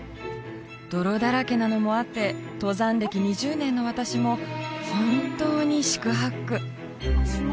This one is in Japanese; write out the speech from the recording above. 泥だらけなのもあって登山歴２０年の私も本当に四苦八苦